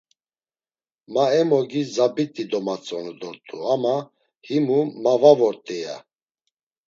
Ma em ogi Zabit̆i domatzonu dort̆u ama himu; ma va vort̆i, ya.